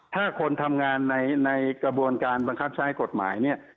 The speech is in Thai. ถ้าคนทำงานในกระบวนการบังคับใช้กฎหมายเนี่ย